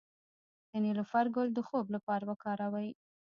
د نیلوفر ګل د خوب لپاره وکاروئ